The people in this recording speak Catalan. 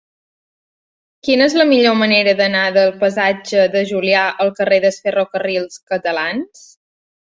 Quina és la millor manera d'anar del passatge de Julià al carrer dels Ferrocarrils Catalans?